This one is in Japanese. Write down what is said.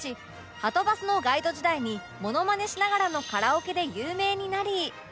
はとバスのガイド時代にモノマネしながらのカラオケで有名になり